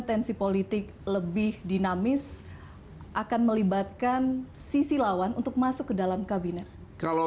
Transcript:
tensi politik lebih dinamis akan melibatkan sisi lawan untuk masuk ke dalam kabinet kalau